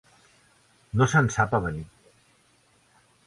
No se'n sap avenir.